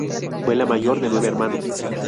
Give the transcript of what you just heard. Fue la mayor de nueve hermanos.